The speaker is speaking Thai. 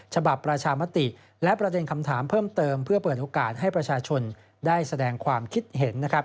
ฉบับประชามติและประเด็นคำถามเพิ่มเติมเพื่อเปิดโอกาสให้ประชาชนได้แสดงความคิดเห็น